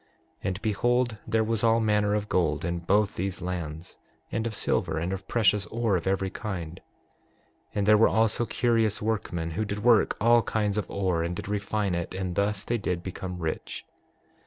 6:11 And behold, there was all manner of gold in both these lands, and of silver, and of precious ore of every kind; and there were also curious workmen, who did work all kinds of ore and did refine it; and thus they did become rich.